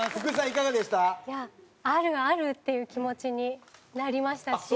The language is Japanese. いやああるあるっていう気持ちになりましたし。